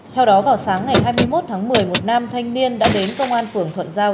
theo đó vào sáng ngày hai mươi một tháng một mươi một nam thanh niên đã đến công an phường thuận giao